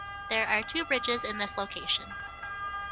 There are two bridges in this location.